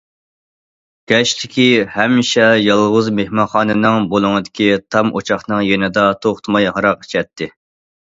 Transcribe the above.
كەچلىكى ھەمىشە يالغۇز مېھمانخانىنىڭ بۇلۇڭىدىكى تام ئوچاقنىڭ يېنىدا توختىماي ھاراق ئىچەتتى.